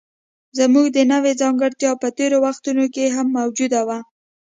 زموږ د نوعې ځانګړتیا په تېرو وختونو کې هم موجوده وه.